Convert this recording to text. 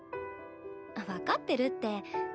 分かってるって。